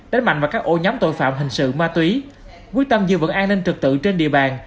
đánh mạnh vào các ổ nhóm tội phạm hình sự ma túy quyết tâm giữ vững an ninh trực tự trên địa bàn